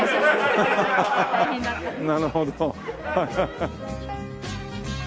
なるほど。